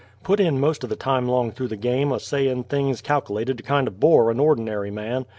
Putt in most o' the time 'long through the game a sayin' things calkilated to kindo' bore a' ordinary man.